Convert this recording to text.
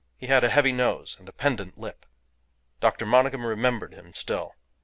He had a heavy nose and a pendant lip. Dr. Monygham remembered him still.